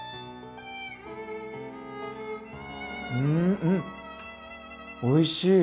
うんんっおいしい！